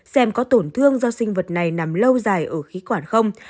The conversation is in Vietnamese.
xem có tổn thương do sinh vật này nằm lâu dài ở khí quản không